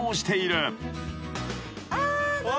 ああ。